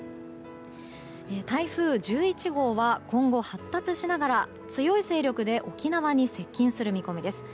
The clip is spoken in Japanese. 台風１１号は今後、発達しながら強い勢力で沖縄に接近する見込みです。